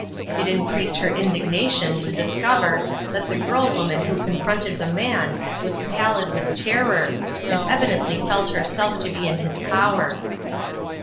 It increased her indignation to dis cover that the girl woman who confronted the 3 l8 UNDER GUIDANCE. man was pallid with terror, and evidently felt herself to be in his power.